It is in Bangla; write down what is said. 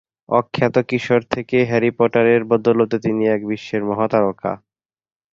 অখ্যাত কিশোর থেকে হ্যারি পটারের বদৌলতে তিনি এখন বিশ্বের মহা তারকা।